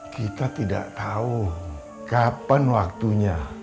kita tidak tahu kapan waktunya